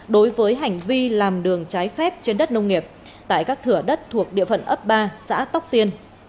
đối với hành vi làm đường trái phép trên đất nông nghiệp tại các thửa đất thuộc địa phận ấp ba xã tóc tiên